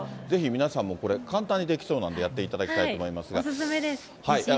ぜひ皆さんも、これ、簡単にできそうなんでやっていただきたいとお勧めです。